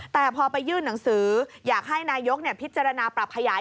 แต่พอไปยื่นหนังสืออยากให้นายกพิจารณาปรับขยาย